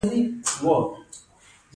نرجس یو ښکلی ژیړ ګل دی